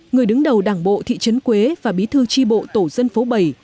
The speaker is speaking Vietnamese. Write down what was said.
người đứng đầu đảng bộ thị trấn quế và bí thư tri bộ tổ dân phố bảy